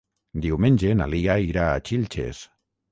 Diumenge na Lia irà a Xilxes.